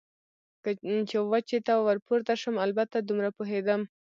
چې وچې ته ور پورته شم، البته دومره پوهېدم.